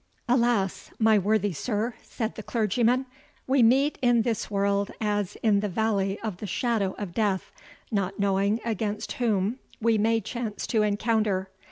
"Alas! my worthy sir," said the clergyman, "we meet in this world as in the Valley of the Shadow of Death, not knowing against whom we may chance to encounter.